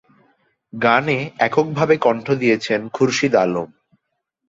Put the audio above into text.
গানে এককভাবে কণ্ঠ দিয়েছেন খুরশিদ আলম।